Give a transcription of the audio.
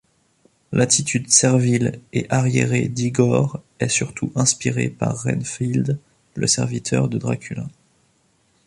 L'attitude servile et arriérée d'Igor est surtout inspirée par Renfield, le serviteur de Dracula.